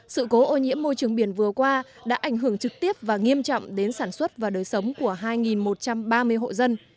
sự cố ô nhiễm môi trường biển vừa qua đã ảnh hưởng trực tiếp và nghiêm trọng đến sản xuất và đời sống của hai một trăm ba mươi hộ dân